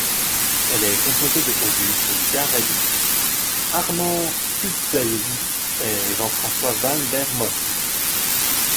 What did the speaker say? Elle est composée de Auguste Garrebeek, Armand Putzeyse et Jean-François Van Der Motte.